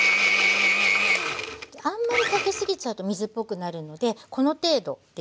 あんまりかけすぎちゃうと水っぽくなるのでこの程度でいいです。